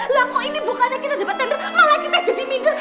lah kok ini bukannya kita cepet tender malah kita jadi minder